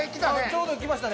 ちょうどきましたね。